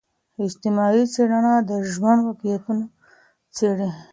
اجتماعي څېړنه د ژوند واقعتونه څیړي.